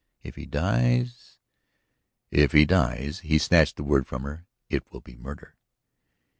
If he dies ..." "If he dies" he snatched the words from her "it will be murder!"